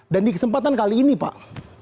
dan di kesempatan kali ini pak